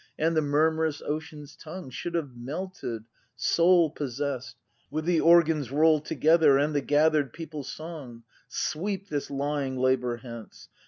And the murmurous ocean's tongue Should have melted, soul possess'd, With the organ's roll together. And the gather'd people's song. Sweep this lying Labour hence!